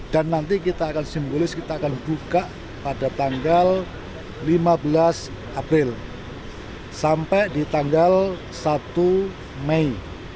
dan nanti kita akan simbolis kita akan buka pada tanggal lima belas april sampai di tanggal satu mei